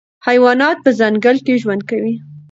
حیوانات په ځنګل کې ژوند کوي.